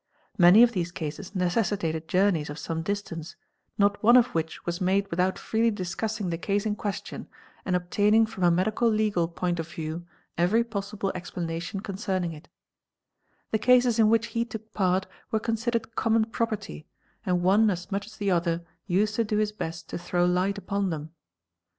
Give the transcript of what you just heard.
Many of these cases necessitated journeys of some distance, not which was made without freely discussing the case in question iva SRLS RA RIMINI 5S NEN p a a= + 156 THE EXPERT and obtaining from a medical legal point of view every possible explana — tion concerning it. The cases in which he took part were considered common property and one as much as the other used to do his best to throw light upon them.